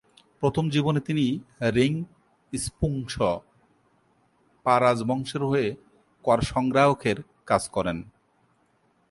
প্রথম জীবনে তিনি রিং-স্পুংস-পা রাজবংশের হয়ে কর-সংগ্রাহকের কাজ করেন।